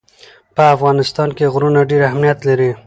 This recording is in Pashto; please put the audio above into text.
په افغانستان کې غرونه ډېر اهمیت لري.